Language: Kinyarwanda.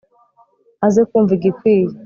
Aze kumva igikwiye